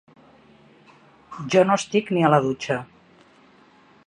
Jo no estic ni a la dutxa.